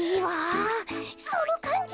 そのかんじ。